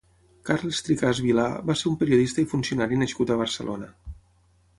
Carles Tricaz Vilá va ser un periodista i funcionari nascut a Barcelona.